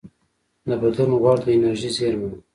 د بدن غوړ د انرژۍ زېرمه ده